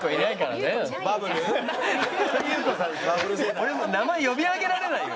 俺もう名前読み上げられないよ。